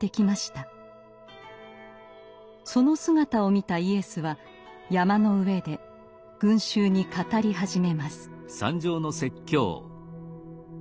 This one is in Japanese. その姿を見たイエスは山の上で群衆に語り始めます。